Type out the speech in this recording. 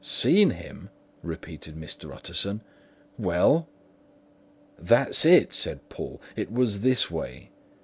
"Seen him?" repeated Mr. Utterson. "Well?" "That's it!" said Poole. "It was this way.